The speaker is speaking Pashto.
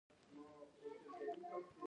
دلته د پانګې د صدور یا خپرېدو په اړه وایو